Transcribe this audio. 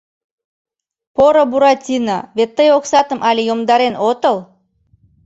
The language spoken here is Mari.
Поро Буратино, вет тый оксатым але йомдарен отыл?